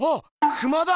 クマだ！